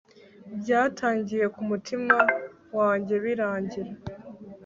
Byatangiriye kumutima wanjye birangira